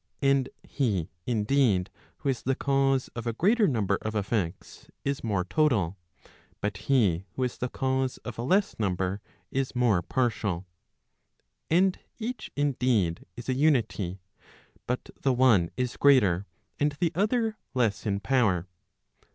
And he indeed, who is the cause o a greater number of effects, is more total; but he who is the cause of a less number, is more partial. And each indeed, is a unity, but the one is greater, and the other less in power.